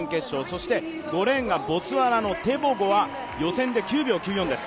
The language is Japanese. そして５レーンがボツワナのテボゴは予選で９秒９４です。